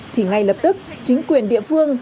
thì ngay lập tức chính quyền địa phương